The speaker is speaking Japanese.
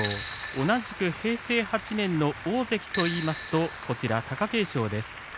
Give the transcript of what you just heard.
同じく平成８年の大関といいますと貴景勝です。